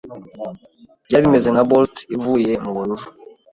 Byari bimeze nka bolt ivuye mubururu.